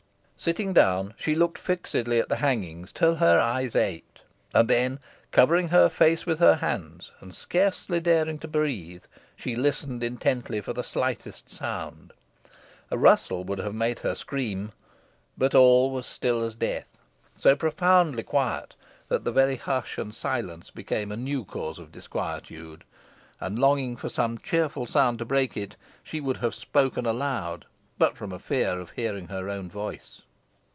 Sitting down, she looked fixedly at the hangings till her eyes ached, and then covering her face with her hands, and scarcely daring to breathe, she listened intently for the slightest sound. A rustle would have made her scream but all was still as death, so profoundly quiet, that the very hush and silence became a new cause of disquietude, and longing for some cheerful sound to break it, she would have spoken aloud but from a fear of hearing her own voice.